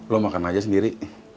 lo makan aja sendiri